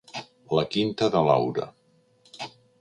La quinta de Laura.